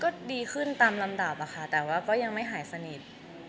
ก็ดีขึ้นตามลำดับอะค่ะแต่ว่าก็ยังไม่หายสนิท